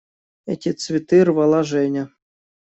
Эти цветы рвала Женя.